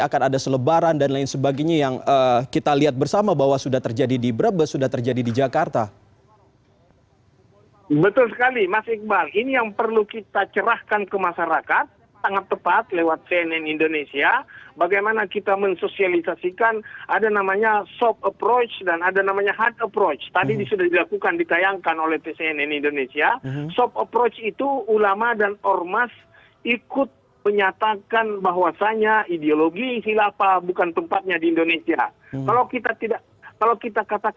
karena itu hilafah bukan perintah